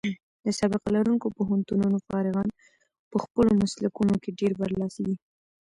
د سابقه لرونکو پوهنتونونو فارغان په خپلو مسلکونو کې ډېر برلاسي دي.